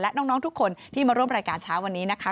และน้องทุกคนที่มาร่วมรายการเช้าวันนี้นะคะ